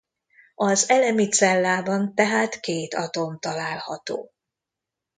Az elemi cellában tehát két atom található.